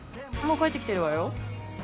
もう帰ってきてるわよ。